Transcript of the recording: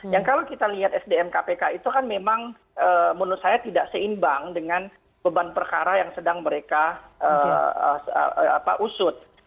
yang kalau kita lihat sdm kpk itu kan memang menurut saya tidak seimbang dengan beban perkara yang sedang mereka usut